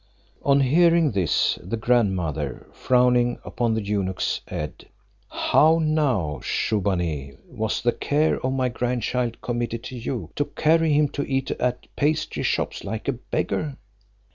On hearing this, the grandmother, frowning upon the eunuch, said, "How now, Shubbaunee, was the care of my grandchild committed to you, to carry him to eat at pastry shops like a beggar?"